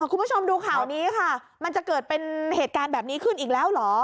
คุณผู้ชมดูข่าวนี้ค่ะมันจะเกิดเป็นเหตุการณ์แบบนี้ขึ้นอีกแล้วเหรอ